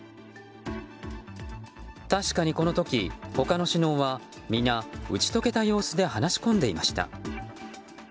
確かにこの時、他の首脳は皆、打ち解けた様子で話し込んでいました。